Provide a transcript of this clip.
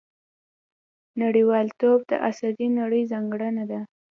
• نړیوالتوب د عصري نړۍ ځانګړنه ده.